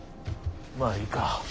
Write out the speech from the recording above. まあいいか。